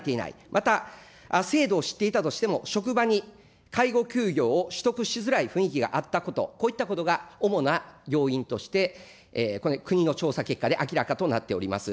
また、制度を知っていたとしても、職場に介護休業を取得しづらい雰囲気があったこと、こういったことが主な要因として、これ、国の調査結果で明らかとなっております。